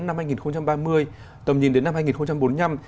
năm hai nghìn ba mươi tầm nhìn đến năm hai nghìn bốn mươi năm